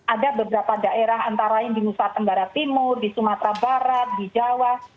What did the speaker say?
ada beberapa daerah antara lain di nusa tenggara timur di sumatera barat di jawa